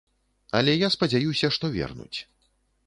Але я спадзяюся, што вернуць.